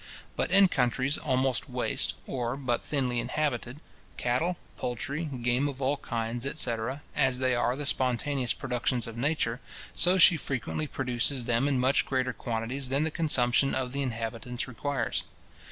But in countries almost waste, or but thinly inhabited, cattle, poultry, game of all kinds, etc. as they are the spontaneous productions of Nature, so she frequently produces them in much greater quantities than the consumption of the inhabitants requires.